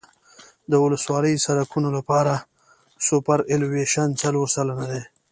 د ولسوالي سرکونو لپاره سوپرایلیویشن څلور سلنه دی